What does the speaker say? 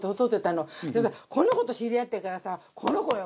でもさこの子と知り合ってからさこの子よ！